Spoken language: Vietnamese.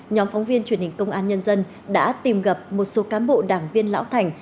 nhóm phóng viên truyền hình công an nhân dân đã tìm gặp một số cán bộ đảng viên lão thành